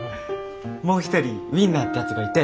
もう一人ウインナーってやつがいて。